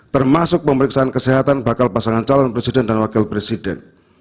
termasuk pemeriksaan kesehatan bakal pasangan calon presiden dan wakil presiden